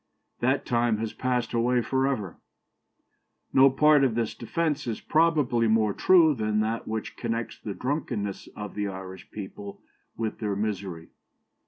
That time has passed away for ever.' No part of this defence is probably more true than that which connects the drunkenness of the Irish people with their misery.